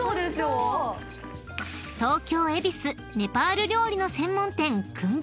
［東京恵比寿ネパール料理の専門店］